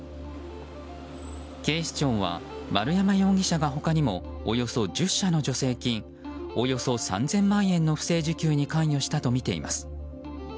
警視庁は丸山容疑者が他にもおよそ１０社の助成金およそ３０００万円の不正受給に関与したとみています。